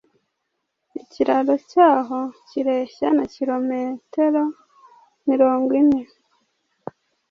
Ikiraro cyaho kireshya na kilometer mirongo ine